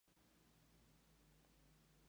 Es inodoro e incoloro.